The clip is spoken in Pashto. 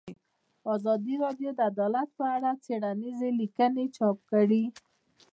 ازادي راډیو د عدالت په اړه څېړنیزې لیکنې چاپ کړي.